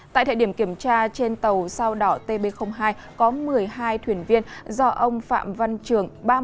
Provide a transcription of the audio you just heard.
tại thời điểm kiểm tra trên tàu sao đỏ tb hai có một mươi hai thuyền viên do ông phạm văn trường